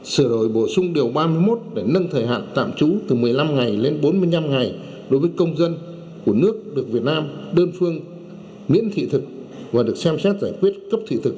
sửa đổi bổ sung điều ba mươi một để nâng thời hạn tạm trú từ một mươi năm ngày lên bốn mươi năm ngày đối với công dân của nước được việt nam đơn phương miễn thị thực và được xem xét giải quyết cấp thị thực